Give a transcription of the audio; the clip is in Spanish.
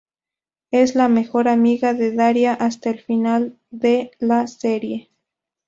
Es la mejor amiga de Daria hasta el final de la serie.